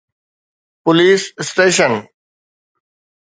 police station